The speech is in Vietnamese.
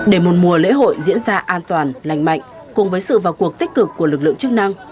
để một mùa lễ hội diễn ra an toàn lành mạnh cùng với sự vào cuộc tích cực của lực lượng chức năng